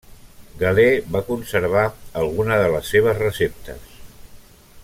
Galè va conservar alguna de les seves receptes.